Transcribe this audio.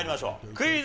クイズ。